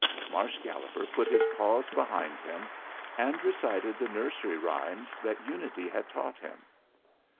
Marsh Galloper put his paws behind him, and recited the nursery rhymes that Unity had taught him.